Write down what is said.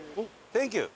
サンキュー。